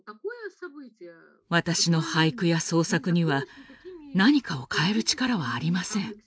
私の俳句や創作には何かを変える力はありません。